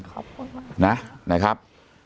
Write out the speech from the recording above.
ขอบคุณมากนะครับ